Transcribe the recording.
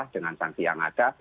dengan sanksi yang ada